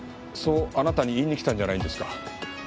そうあなたに言いに来たんじゃないんですか？